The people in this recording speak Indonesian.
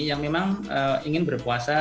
yang memang ingin berpuasa